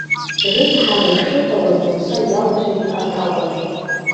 Рыцҳарак шыҟалаз лцәа иалашәеит аҭакәажә.